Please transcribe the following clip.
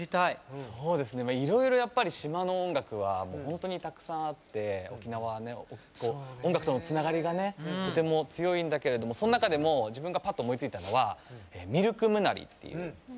そうですねいろいろやっぱり島の音楽は本当にたくさんあって沖縄は音楽とのつながりがねとても強いんだけれどもその中でも自分がパッと思いついたのは「ミルクムナリ」っていう楽曲です。